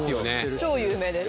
超有名です